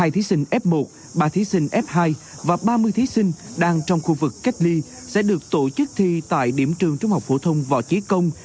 hai mươi thí sinh f một ba thí sinh f hai và ba mươi thí sinh đang trong khu vực cách ly sẽ được tổ chức thi tại điểm trường trung học phổ thông võ chí công